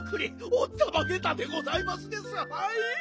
おったまげたでございますですはい。